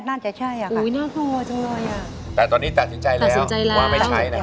เพราะฉะนั้นทำให้ดีนะคะ